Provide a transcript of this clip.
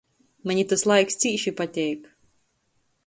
Maņ itys laiks cīši pateik.